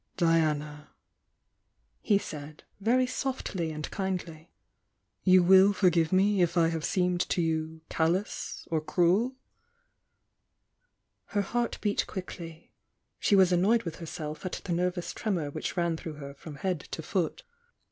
,,.,,„ "Diana," he said, very softly and kindly— you wUl forgive me if I have seemed to you callous, or "^Her heart beat quickly— she was annoyed with herself ut the nervous tremor which ran through her from head to foot.